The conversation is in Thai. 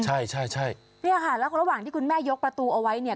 ใช่ใช่ใช่เนี่ยค่ะแล้วระหว่างที่คุณแม่ยกประตูเอาไว้เนี่ย